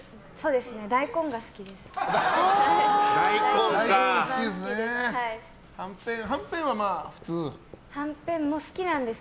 大根が好きです。